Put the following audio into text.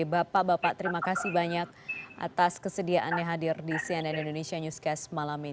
bapak bapak terima kasih banyak atas kesediaannya hadir di cnn indonesia newscast malam ini